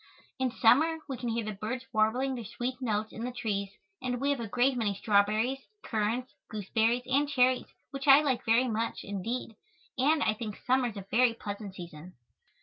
In summer we can hear the birds warbling their sweet notes in the trees and we have a great many strawberries, currants, gooseberries and cherries, which I like very much, indeed, and I think summer is a very pleasant season.